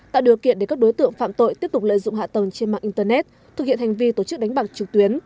tạo điều kiện để các đối tượng phạm tội tiếp tục lợi dụng hạ tầng trên mạng internet thực hiện hành vi tổ chức đánh bạc trực tuyến